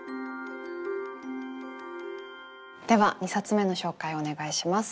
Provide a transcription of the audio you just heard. では２冊目の紹介をお願いします。